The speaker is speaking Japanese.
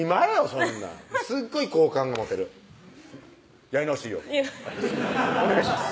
そんなんすっごい好感が持てるやり直していいよお願いします